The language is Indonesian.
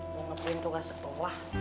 mau nge print tugas sekolah